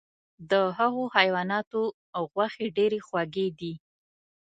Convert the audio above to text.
د هغو حیواناتو غوښې ډیرې خوږې دي .